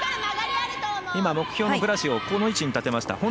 目標のブラシをこの位置に立てました。